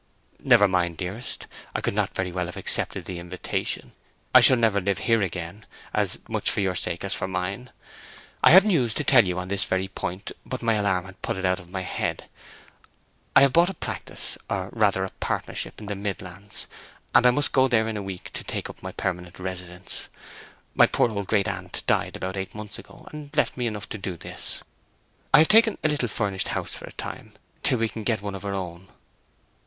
"Never mind, dearest. I could not very well have accepted the invitation. I shall never live here again—as much for your sake as for mine. I have news to tell you on this very point, but my alarm had put it out of my head. I have bought a practice, or rather a partnership, in the Midlands, and I must go there in a week to take up permanent residence. My poor old great aunt died about eight months ago, and left me enough to do this. I have taken a little furnished house for a time, till we can get one of our own."